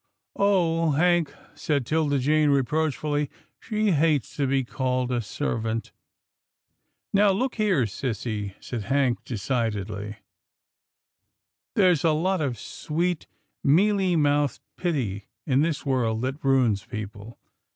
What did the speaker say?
"" Oh ! Hank," said 'Tilda Jane reproachfully, " she hates to be called a servant." " Now look here, sissy," said Hank decidedly, " there's a lot of sweet, mealy mouthed pity in this world that ruins people.